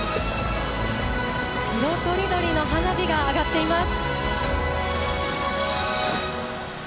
色とりどりの花火が上がっています。